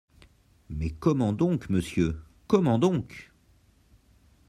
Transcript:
Mais comment donc monsieur, comment donc !…